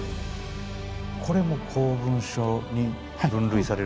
これも公文書に分類されるんですか？